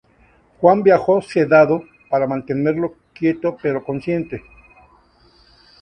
Juan viajó sedado, para mantenerlo quieto pero consciente.